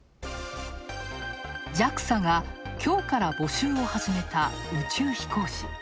ＪＡＸＡがきょうから募集を始めた宇宙飛行士。